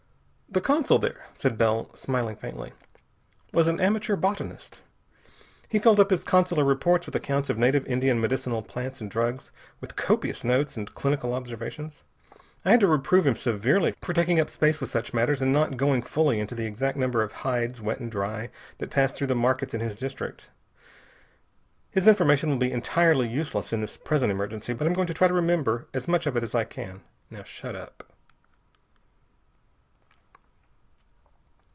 "The consul there," said Bell, smiling faintly, "was an amateur botanist. He filled up his consular reports with accounts of native Indian medicinal plants and drugs, with copious notes and clinical observations. I had to reprove him severely for taking up space with such matters and not going fully into the exact number of hides, wet and dry, that passed through the markets in his district. His information will be entirely useless in this present emergency, but I'm going to try to remember as much of it as I can. Now shut up."